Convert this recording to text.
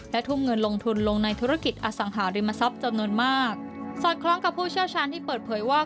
และทุ่มเงินลงทุนลงในธุรกิจอสังหาริมทรัพย์จำนวนมากสอดคล้องกับผู้เชี่ยวชาญที่เปิดเผยว่า